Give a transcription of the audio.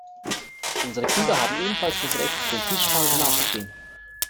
Unsere Kinder haben ebenfalls das Recht, dem Fischfang nachzugehen.